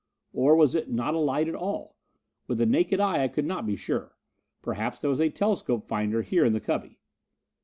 Or was it not a light at all? With the naked eye, I could not be sure. Perhaps there was a telescopic finder here in the cubby....